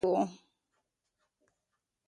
د هغې د سترګو رنګ ډېر ځانګړی و.